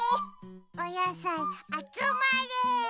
おやさいあつまれ。